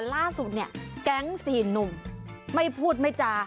ล่าสุดเนี่ยแก๊ง๔หนุ่มไม่พูดไม่จา